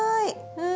うん。